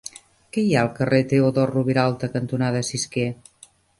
Què hi ha al carrer Teodor Roviralta cantonada Cisquer?